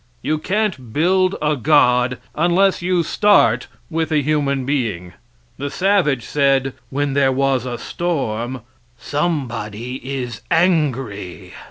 You can't build a God unless you start with a human being. The savage said, when there was a storm, "Somebody is angry."